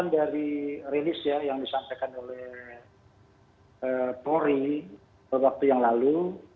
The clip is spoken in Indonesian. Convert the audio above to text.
jadi berdasarkan dari rilis yang disampaikan oleh pori beberapa waktu yang lalu